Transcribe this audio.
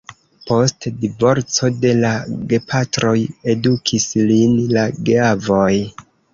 Post divorco de la gepatroj edukis lin la geavoj.